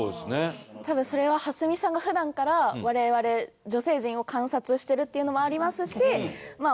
多分それは蓮見さんが普段から我々女性陣を観察してるっていうのもありますし。